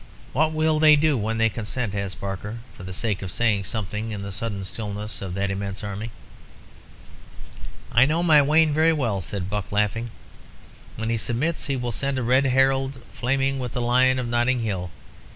"What will they do when they consent?" asked Barker, for the sake of saying something in the sudden stillness of that immense army. "I know my Wayne very well," said Buck, laughing. "When he submits he will send a red herald flaming with the Lion of Notting Hill.